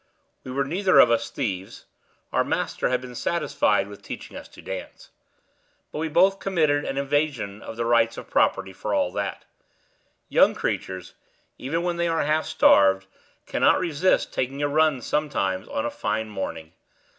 We were neither of us thieves (our master had been satisfied with teaching us to dance); but we both committed an invasion of the rights of property, for all that. Young creatures, even when they are half starved, cannot resist taking a run sometimes on a fine morning.